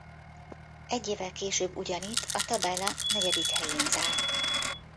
Egy évvel később ugyanitt a tabella negyedik helyén zárt.